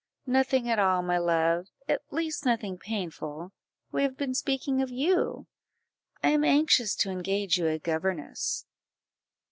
"Nothing at all, my love, at least nothing painful; we have been speaking of you I am anxious to engage you a governess."